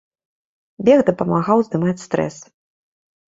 Бег дапамагаў здымаць стрэс.